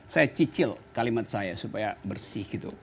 saya cicil kalimat saya supaya bersih gitu